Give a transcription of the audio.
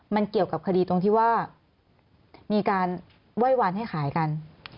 มันเกี่ยวกับคดีตรงที่ว่ามีการไหว้วานให้ขายกัน